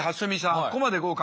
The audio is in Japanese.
ここまで合格。